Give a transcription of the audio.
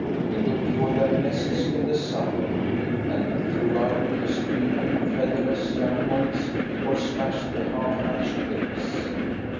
He looked for their nests in the summer, and threw out the scream ing, featherless young ones, or smashed the half hatched eggs.